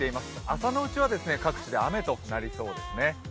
朝のうちのは各地で雨となりそうですね。